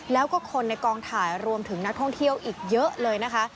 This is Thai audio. แล้วก็คนในกองถ่ายรวมถึงนักท่องเที่ยวอีกเยอะเลยนะคะ